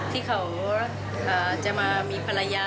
ที่เขาจะมามีภรรยา